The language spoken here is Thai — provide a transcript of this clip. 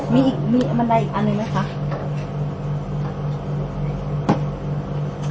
มีอีกมีอันบันไดอีกอันหนึ่งไหมคะ